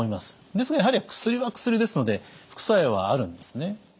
ですがやはり薬は薬ですので副作用はあるんですね。